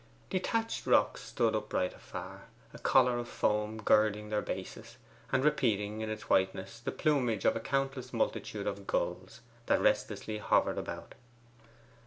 Detached rocks stood upright afar, a collar of foam girding their bases, and repeating in its whiteness the plumage of a countless multitude of gulls that restlessly hovered about.